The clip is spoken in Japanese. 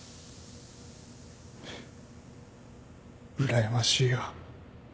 うらやましいよ。